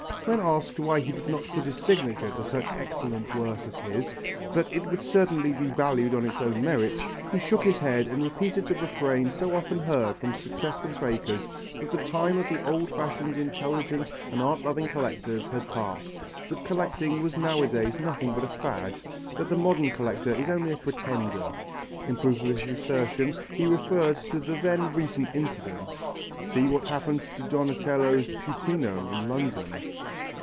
When asked why he did not put his signature to such excellent work as his, that it would certainly be valued on its own merits, he shook his head and repeated the refrain so often heard from successful fakers that the time of the old fashioned intelligent and art loving collectors had passed, that collecting was nowadays nothing but a fad, that the modern collector is only a pretender. In proof of his assertion he referred to the then recent incident. "See what happened to Donatello's puttino in London."